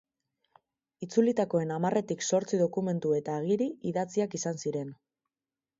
Itzulitakoen hamarretik zortzi dokumentu eta agiri idatziak izan ziren.